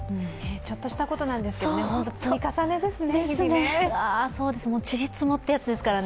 ちょっとしたことなんですけど、本当に日々の積み重ねですね。